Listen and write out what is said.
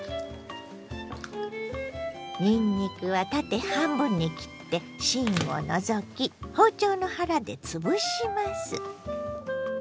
にんにくは縦半分に切って芯を除き包丁の腹でつぶします。